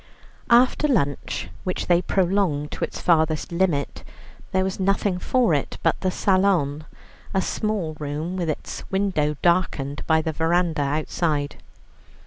After lunch, which they prolonged to its farthest limit, there was nothing for it but the salon, a small room, with its window darkened by the verandah outside.